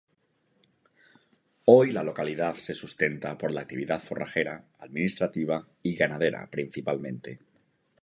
Hoy la localidad se sustenta por la actividad forrajera, administrativa y ganadera principalmente.